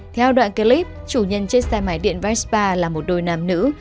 theo đoạn clip chủ nhân chế xe máy điện vespa là một đôi nàm nữ